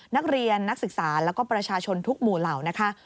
นักเรียนนักศึกษาแล้วก็ประชาชนทุกหมู่เหล่านะคะ